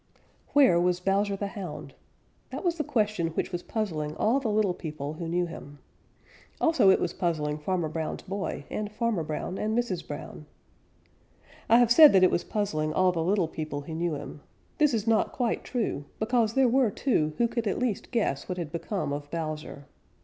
_ Where was Bowser the Hound? That was the question which was puzzling all the little people who knew him. Also it was puzzling Farmer Brown's boy and Farmer Brown and Mrs. Brown. I have said that it was puzzling all the little people who knew him. This is not quite true, because there were two who could at least guess what had become of Bowser.